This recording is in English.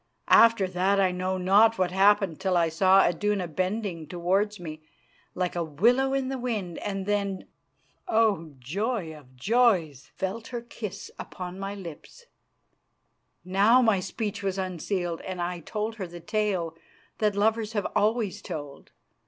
After that I know not what happened till I saw Iduna bending towards me like a willow in the wind, and then oh, joy of joys! felt her kiss upon my lips. Now my speech was unsealed, and I told her the tale that lovers have always told.